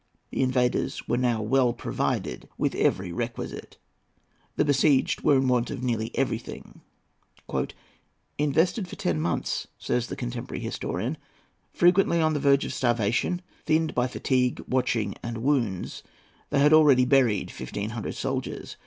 The invaders were now well provided with every requisite. The besieged were in want of nearly everything. "Invested for ten months," says the contemporary historian, "frequently on the verge of starvation, thinned by fatigue, watching, and wounds, they had already buried fifteen hundred soldiers.